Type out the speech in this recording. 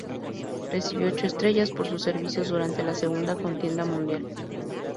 Recibió ocho estrellas por sus servicios durante la segunda contienda mundial.